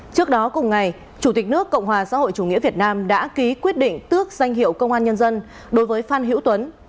trước đó cùng ngày chủ tịch nước cộng hòa xã hội chủ nghĩa việt nam đã ký quyết định tước danh hiệu công an nhân dân đối với phan hữu tuấn